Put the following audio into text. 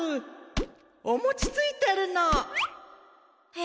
おもちついてるの。え！